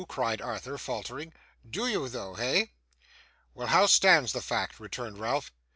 cried Arthur, faltering. 'Do you though, hey?' 'Why, how stands the fact?' returned Ralph.